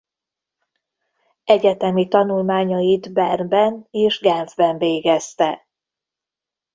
Egyetemi tanulmányait Bernben és Genfben végezte.